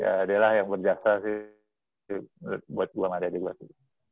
ya dia lah yang berjaksa sih buat gue ngajakin gue